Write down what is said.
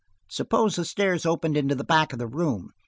"Suppose the stairs open into the back of the room?